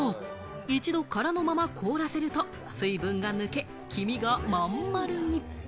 一度、殻のまま凍らせると水分が抜け、黄身がまん丸に。